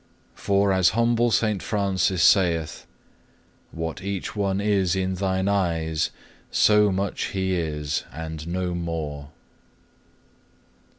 For as humble St. Francis saith, "What each one is in Thine eyes, so much he is, and no more."